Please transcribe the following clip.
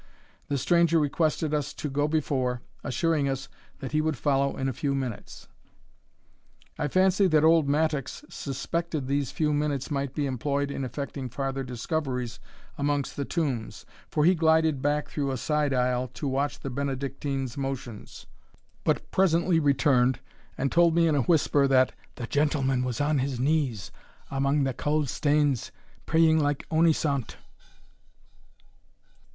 The stranger requested us to go before, assuring us that he would follow in a few minutes. I fancy that old Mattocks suspected these few minutes might be employed in effecting farther discoveries amongst the tombs, for he glided back through a side aisle to watch the Benedictine's motions, but presently returned, and told me in a whisper that "the gentleman was on his knees amang the cauld stanes, praying like ony saunt."